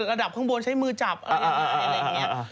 ระดับข้างบนใช้มือจับอะไรอย่างนี้